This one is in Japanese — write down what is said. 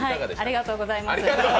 ありがとうございます。